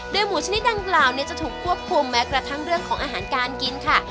หมูชนิดดังกล่าวจะถูกควบคุมแม้กระทั่งเรื่องของอาหารการกินค่ะ